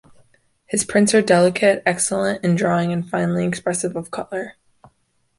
His prints are delicate, excellent in drawing and finely expressive of colour.